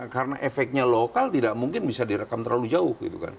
karena efeknya lokal tidak mungkin bisa direkam terlalu jauh